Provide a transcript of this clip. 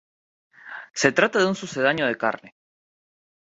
Se trata de un sucedáneo de carne.